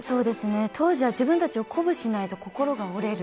当時は自分たちを鼓舞しないと心が折れる。